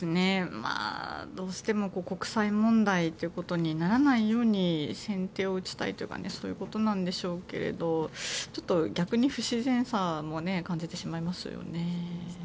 どうしても国際問題ということにならないように先手を打ちたいというかそういうことなんでしょうけどちょっと逆に不自然さも感じてしまいますよね。